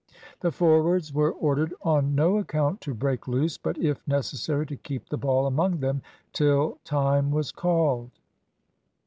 The forwards were ordered on no account to break loose, but if necessary to keep the ball among them till time was called.